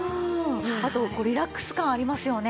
あとこうリラックス感ありますよね。